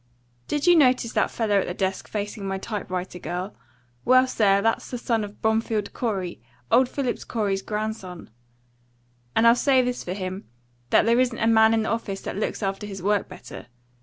"Did you notice that fellow at the desk facing my type writer girl? Well, sir, that's the son of Bromfield Corey old Phillips Corey's grandson. And I'll say this for him, that there isn't a man in the office that looks after his work better.